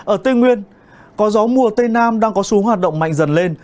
ở tây nguyên có gió mùa tây nam đang có xuống hoạt động mạnh dần lên